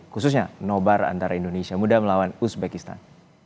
khususnya nobar antara indonesia muda melawan uzbekistan